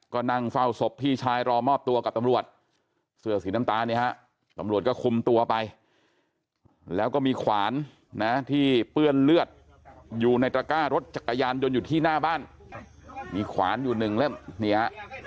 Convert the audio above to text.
ครอบตัวกับตำรวจเสื้อสีน้ำตาลนะครับตำรวจก็คุมตัวไปแล้วก็มีขวานนะที่เปื้อนเลือดอยู่ในตระก้ารถจักรยานยนต์อยู่ที่หน้าบ้านมีขวานอยู่หนึ่งแล้วเนี่ย